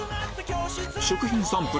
食品サンプル